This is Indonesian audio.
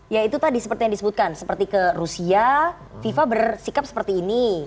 ya itu tadi seperti yang disebutkan seperti ke rusia fifa bersikap seperti ini